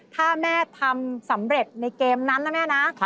ถ้าแม่ทำสำเร็จในเกมนั้นนะแม่นะ